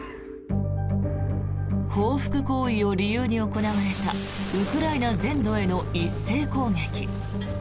報復行為を理由に行われたウクライナ全土への一斉攻撃。